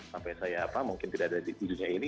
sampai saya apa mungkin tidak ada di dunia ini